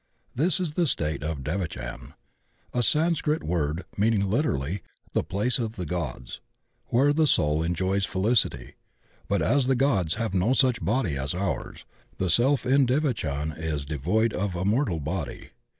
This is the state of devachan, a Sanscrit word meaning literally "the place of the gods," where the soul enjoys felicity; but as the gods have no such bodies as ours, the Self in devachan is devoid of a mortal body.